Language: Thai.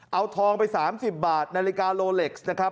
เอาทองไป๓๐บาทนาฬิกาโลเล็กซ์นะครับ